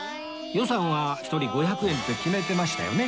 予算は１人５００円って決めてましたよね